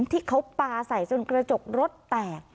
ที่เขาปลาใส่จนกระจกรถแตก